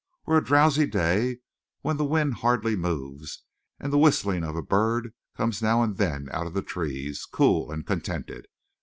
Or a drowsy day when the wind hardly moves and the whistling of a bird comes now and then out of the trees, cool and contented?